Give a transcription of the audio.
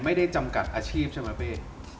ไม่ได้จำกัดอาชีพใช่ไหมเป๊ะ